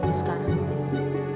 tante ranti kankernya makin parah